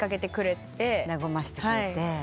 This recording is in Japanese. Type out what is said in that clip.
和ましてくれて。